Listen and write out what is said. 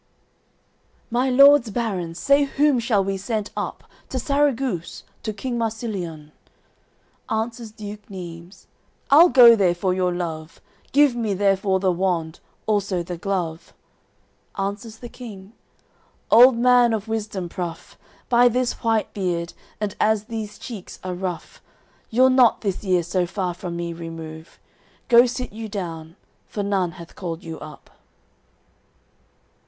AOI. XVII "My lords barons, say whom shall we send up To Sarraguce, to King Marsiliun?" Answers Duke Neimes: "I'll go there for your love; Give me therefore the wand, also the glove." Answers the King: "Old man of wisdom pruff; By this white beard, and as these cheeks are rough, You'll not this year so far from me remove; Go sit you down, for none hath called you up."